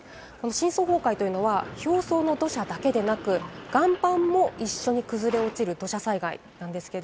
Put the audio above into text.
深層崩壊というのは表層の土砂だけでなく、岩盤も一緒に崩れ落ちる土砂災害です。